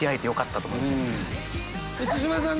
満島さん